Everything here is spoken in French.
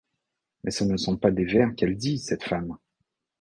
Mais ce ne sont pas des vers qu'elle dit, cette femme !